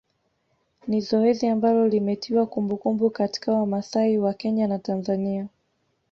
Ni zoezi ambalo limetiwa kumbukumbu katika Wamasai wa Kenya na Tanzania